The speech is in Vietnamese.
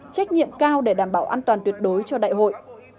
trách nhiệm cao để đảm bảo an toàn tuyệt đối cho đại hội